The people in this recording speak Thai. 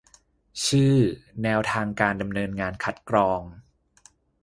ชื่อ แนวทางการดำเนินงานคัดกรอง